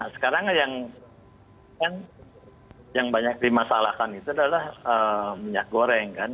sekarang yang banyak dimasalahkan itu adalah minyak goreng kan